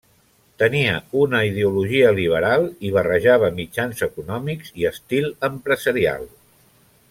Tenia una ideologia liberal i barrejava mitjans econòmics i estil empresarial.